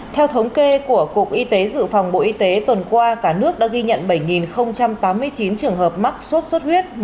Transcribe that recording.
theo thống kê của cục y tế dự phòng bộ y tế tuần qua cả nước đã ghi nhận bảy tám mươi chín trường hợp mắc sốt xuất huyết